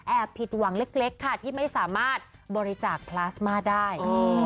ผิดหวังเล็กค่ะที่ไม่สามารถบริจาคพลาสมาได้